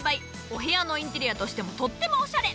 お部屋のインテリアとしてもとってもおしゃれ！